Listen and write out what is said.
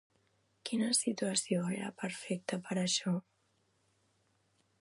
Quina situació era perfecta per a això?